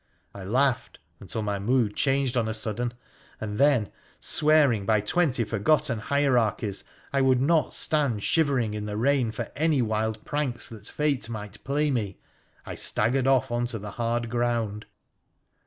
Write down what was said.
I laughed until my mood changed on a sudden, and then, swearing by twenty forgotten hierarchies I would not stand shivering in the rain for any wild pranks that Fate might play me, I staggered off on to the hard ground.